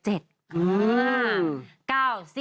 อื้อ